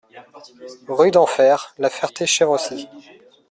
Rue d'Enfer, La Ferté-Chevresis